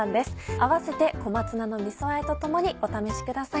併せて「小松菜のみそあえ」と共にお試しください。